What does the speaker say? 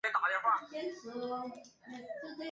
小穆尔默隆人口变化图示